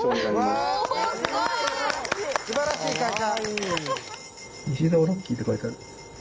すばらしい会社。